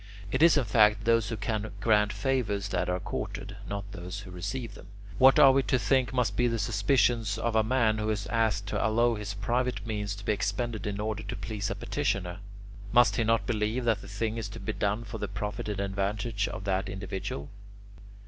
It is in fact those who can grant favours that are courted, not those who receive them. What are we to think must be the suspicions of a man who is asked to allow his private means to be expended in order to please a petitioner? Must he not believe that the thing is to be done for the profit and advantage of that individual?